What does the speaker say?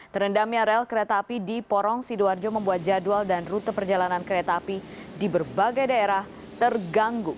terendamnya rel kereta api di porong sidoarjo membuat jadwal dan rute perjalanan kereta api di berbagai daerah terganggu